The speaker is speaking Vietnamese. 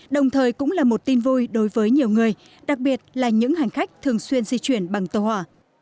đồng thời cũng là một tin vui đối với nhiều người đặc biệt là những hành khách thường xuyên di chuyển bằng tàu hỏa